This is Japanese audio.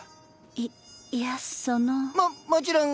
いいやその。ももちろん。